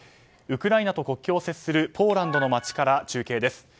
ウクライナと国境を接するポーランドの街から中継です。